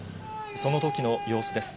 そのときの様子です。